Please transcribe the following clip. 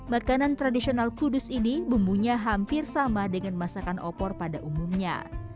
makanan tradisional kudus ini bumbunya hampir sama dengan masakan opor pada umumnya